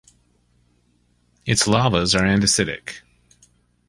Its lavas are andesitic.